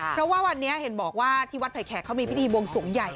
เพราะวันนี้เห็นบอกว่าที่วัดไผ่แขกมีพิธีบงส่วนใหญ่